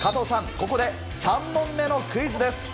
ここで３問目のクイズです。